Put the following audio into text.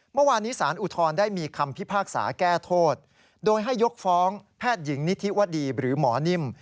เมื่อวานนี้สารอุทธรณ์ได้มีคำพิพากษาแก้โทษโดยให้ยกฟ้องแพทย์หญิงนิธิวดีหรือหมอนิ่ม